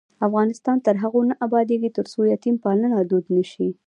افغانستان تر هغو نه ابادیږي، ترڅو یتیم پالنه دود نشي.